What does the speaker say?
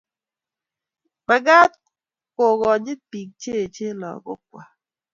mekat ko konyit biik che echen lagok kwak